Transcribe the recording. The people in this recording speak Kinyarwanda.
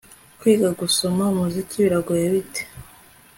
Kwiga gusoma umuziki biragoye bite